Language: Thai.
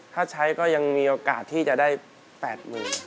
ถ้าใช้ก็ยังมีโอกาสที่จะได้แปดหมื่น